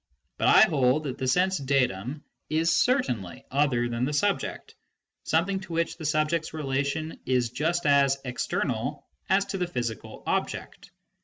But I hold that the sense datum is certainly something other than the subject, some thing to which the subject's relation is just as " external " as to the physical object.